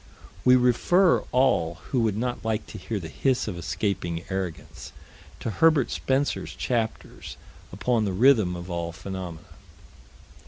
We refer all who would not like to hear the hiss of escaping arrogance, to Herbert Spencer's chapters upon the rhythm of all phenomena.